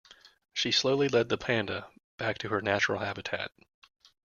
She slowly led the panda back to her natural habitat.